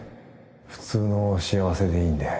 普通の幸せでいいんで